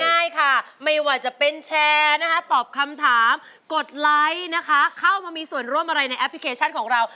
ง่ายค่ะไม่ว่าจะเป็นแชร์นะคะตอบคำถามกดไลค์นะคะเข้ามามีส่วนร่วมอะไรในแอปพลิเคชันของเรา